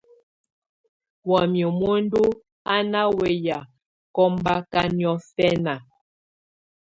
Wayɛ̀á muǝndù á nà wɛ̀yà kɔmbaka niɔ̀fɛna.